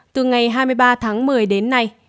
từ ngày hai mươi ba tháng một mươi đến nay